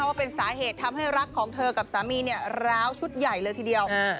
ว่าเป็นสาเหตุทำให้รักของเธอกับสามีเนี่ยร้าวชุดใหญ่เลยทีเดียว